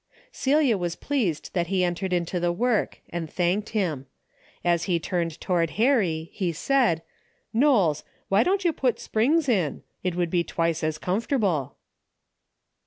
Celia was pleased that he entered into the work and thanked him. As he turned toward Harry, he said, " Knowles, why don't you put springs in ? It would be twice as comfortable."